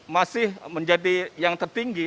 masih menjadi yang tertinggi